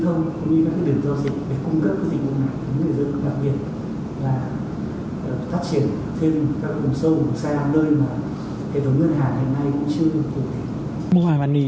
cũng như các điểm giao dịch để cung cấp dịch vụ mạng đến người dân